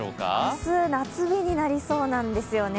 明日、夏日になりそうなんですよね。